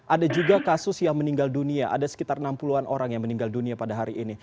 ada juga kasus yang meninggal dunia ada sekitar enam puluh an orang yang meninggal dunia pada hari ini